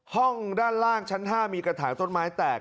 ห้องด้านล่างชั้น๕มีกระถางต้นไม้แตก